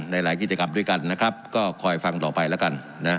หลายกิจกรรมด้วยกันนะครับก็คอยฟังต่อไปแล้วกันนะ